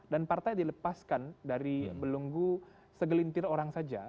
dan partai dilepaskan dari belunggu segelintir orang saja